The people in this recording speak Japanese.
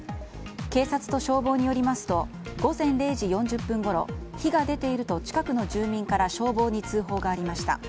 警察と消防によりますと午前０時４０分ごろ火が出ていると近くの住民から消防に通報がありました。